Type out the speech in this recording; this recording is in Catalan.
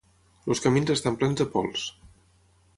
Els camins estan plens de pols